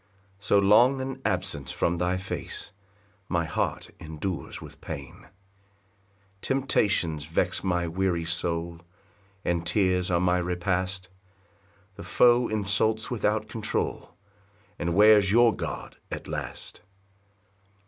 So long an absence from thy face My heart endures with pain. 3 Temptations vex my weary soul, And tears are my repast; The foe insults without control, "And where's your God at last?"